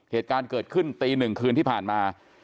เหตุการณ์เกิดขึ้นตีหนึ่งคืนที่ผ่านมา